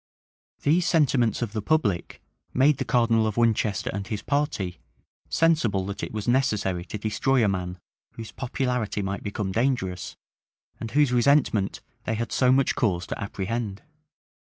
These sentiments of the public made the cardinal of Winchester and his party sensible that it was necessary to destroy a man whose popularity might become dangerous, and whose resentment they had so much cause to apprehend.